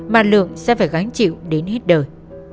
mà lượng sẽ phải gánh chịu đến hết đời